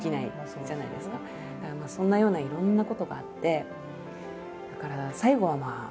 そんなようないろんなことがあって最後はまあ